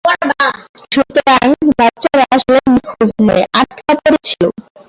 সুতরাং, বাচ্চারা আসলে নিখোঁজ নয়, আটকা পড়েছিল।